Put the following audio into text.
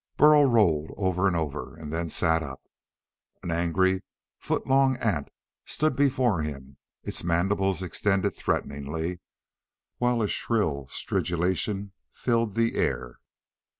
Burl rolled over and over and then sat up. An angry, foot long ant stood before him, its mandibles extended threateningly, while a shrill stridulation filled the air.